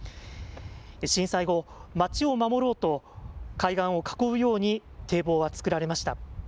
震災後、街を守ろうと、海岸を囲うように堤防はつくられました。